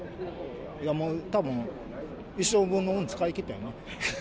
いやもう、たぶん、一生分の運使い切ったやな。